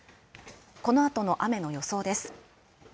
このあとの雨の予想です。